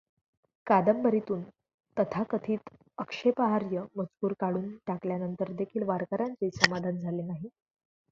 कादंबरीतून तथाकथित आक्षेपार्ह मजकूर काढून टाकल्यानंतर देखील वारकऱ्यांचे समाधान झाले नाही.